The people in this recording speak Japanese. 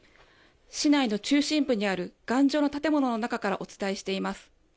市内の中心部にある頑丈な建物の中からお伝えしています。